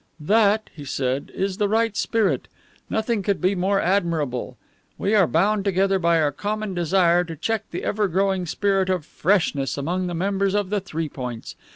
"That," he said, "is the right spirit. Nothing could be more admirable. We are bound together by our common desire to check the ever growing spirit of freshness among the members of the Three Points.